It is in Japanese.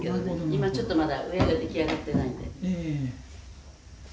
今ちょっとまだ上が出来上がってないので」